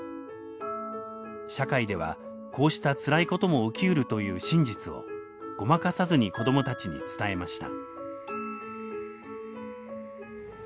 社会ではこうしたつらいことも起きうるという真実をごまかさずに子どもたちに伝えました。